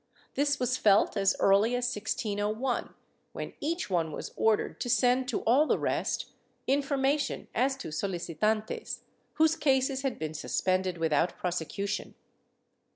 This was felt as early as 1601, when each one was ordered to send to all the rest, information as to solicitantes , whose cases had been suspended without prosecu tion.